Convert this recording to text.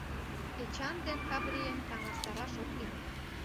— Эчан ден Каврийым таҥастараш ок лий.